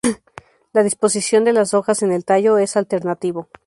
La disposición de las hojas en el tallo es alternativo.